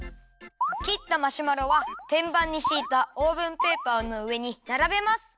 きったマシュマロはてんばんにしいたオーブンペーパーのうえにならべます。